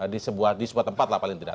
di sebuah tempat lah paling tidak